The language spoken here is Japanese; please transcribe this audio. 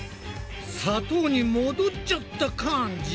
砂糖に戻っちゃった感じ？